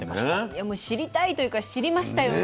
いやもう知りたいというか知りましたよね。